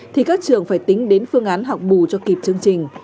thì các trường phải tính đến phương án học bù cho kịp chương trình